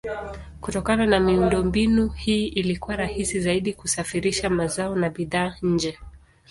Kutokana na miundombinu hii ilikuwa rahisi zaidi kusafirisha mazao na bidhaa nje.